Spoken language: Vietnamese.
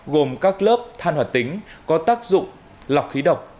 gồm các lớp than hoạt tính có tác dụng lọc khí độc